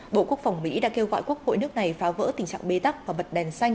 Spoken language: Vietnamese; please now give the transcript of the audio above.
bộ quốc phòng mỹ đã kêu gọi quốc hội nước này phá vỡ tình trạng bê tắc và bật đèn xanh